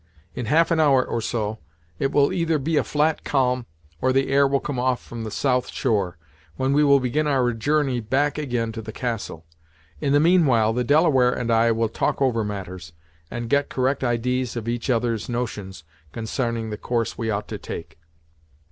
In half an hour, or so, it will either be a flat calm, or the air will come off from the south shore, when we will begin our journey back ag'in to the castle; in the meanwhile, the Delaware and I will talk over matters, and get correct idees of each other's notions consarning the course we ought to take."